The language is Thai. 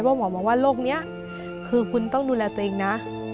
หมอบอกว่าโรคนี้คือคุณต้องดูแลตัวเองนะ